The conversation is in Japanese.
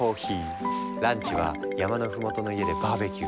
ランチは山の麓の家でバーベキュー。